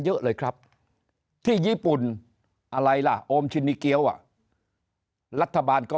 เยอะเลยครับที่ญี่ปุ่นอะไรล่ะโอมชินิเกี๊ยวอ่ะรัฐบาลก็